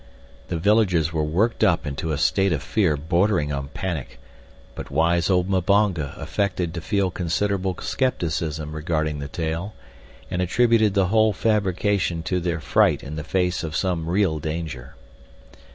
The villagers were worked up into a state of fear bordering on panic, but wise old Mbonga affected to feel considerable skepticism regarding the tale, and attributed the whole fabrication to their fright in the face of some real danger.